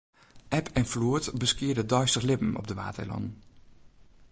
Eb en floed beskiede it deistich libben op de Waadeilannen.